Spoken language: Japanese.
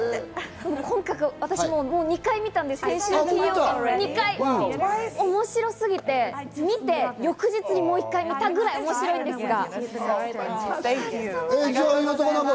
今作もう２回、見たんですけど、おもしろすぎて見て翌日にもう１回見たいぐらい面白いんですが。